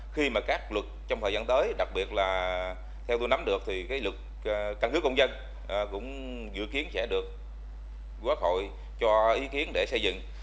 khi mà các luật trong thời gian tới đặc biệt là theo tôi nắm được thì cái luật căn cước công dân cũng dự kiến sẽ được quốc hội cho ý kiến để xây dựng